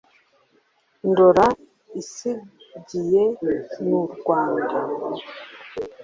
ndora isigiye n’u rwanda.